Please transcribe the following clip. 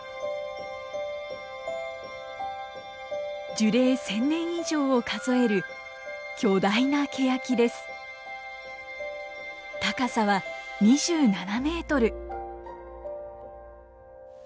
樹齢１，０００年以上を数える巨大な高さは２７メートル。